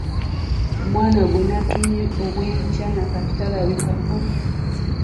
Omwana gwe natumye obw’enkya na buli kati talabikako.